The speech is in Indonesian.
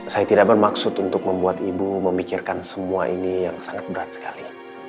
saya tidak bermaksud untuk membuat ibu memikirkan semua ini yang sangat berat sekali